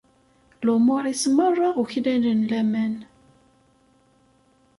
Lumuṛ-is merra uklalen laman.